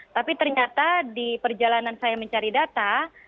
tapi ternyata di perjalanan saya mencari data